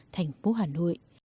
thành phố hà nội